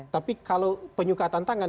tapi kalau penyuka tantangan